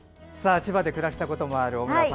千葉で暮らしたこともある小村さん